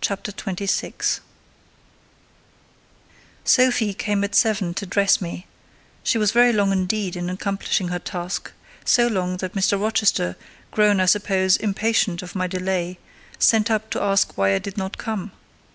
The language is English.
CHAPTER XXVI Sophie came at seven to dress me: she was very long indeed in accomplishing her task; so long that Mr. Rochester, grown, I suppose, impatient of my delay, sent up to ask why I did not come.